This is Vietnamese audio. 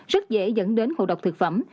rất dễ dẫn đến hộ độc thực phẩm